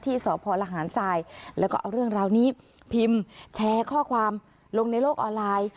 สพลหารทรายแล้วก็เอาเรื่องราวนี้พิมพ์แชร์ข้อความลงในโลกออนไลน์